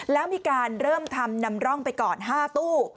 แล้วมีการเริ่มทำนำร่องไปก่อน๕ตู้